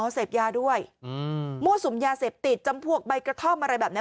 เสพยาด้วยมั่วสุมยาเสพติดจำพวกใบกระท่อมอะไรแบบนี้